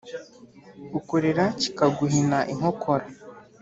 ukorera kikaguhina inkokora